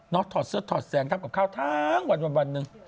เนอะถอดเสื้อถอดแสงทำกับข้าวทั้งวันนึง